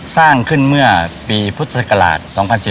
สร้างขึ้นเมื่อปีพุทธศักราช๒๔๙